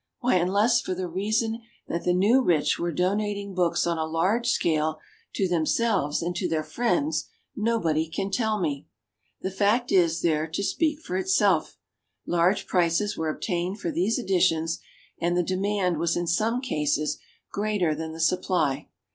Why, unless for the reason that the new rich were donating books on a large scale to themselves and to their friends, no body can tell me. The fact is there to speak for itself. Large prices were obtained for these editions, and the demand was in some cases greater than the supply.